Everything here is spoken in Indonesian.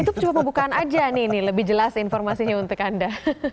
itu cuma pembukaan aja nih lebih jelas informasinya untuk anda